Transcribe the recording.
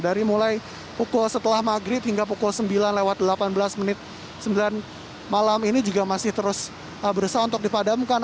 dari mulai pukul setelah maghrib hingga pukul sembilan lewat delapan belas menit sembilan malam ini juga masih terus berusaha untuk dipadamkan